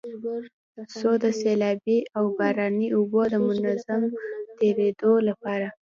څو د سيلابي او باراني اوبو د منظم تېرېدو لپاره